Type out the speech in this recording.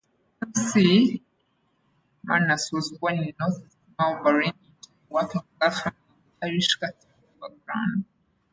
McManus was born in North Melbourne, into a working-class family of Irish Catholic background.